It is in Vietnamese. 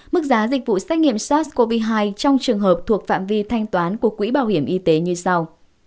mức giá dịch vụ xét nghiệm sars cov hai trong trường hợp thuộc phạm vi thanh toán của quỹ bảo hiểm y tế như sau